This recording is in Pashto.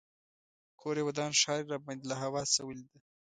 کور یې ودان ښار یې راباندې له هوا څخه ولیده.